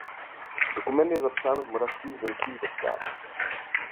Dokument je zapsán v Moravských zemských deskách.